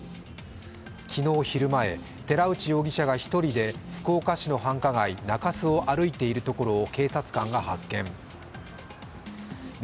昨日昼前、寺内容疑者が一人で福岡市の繁華街・中洲を歩いているところを警察官が発見。